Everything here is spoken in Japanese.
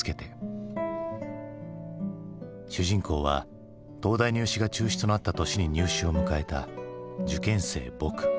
主人公は東大入試が中止となった年に入試を迎えた受験生「ぼく」。